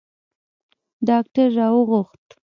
ډاکتر را وغوښت.